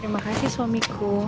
selamat pagi bu andin